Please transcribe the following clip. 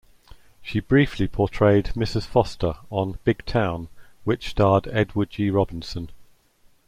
She briefly portrayed Mrs. Foster on "Big Town", which starred Edward G. Robinson.